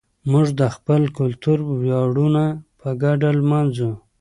موږ د خپل کلتور ویاړونه په ګډه لمانځو.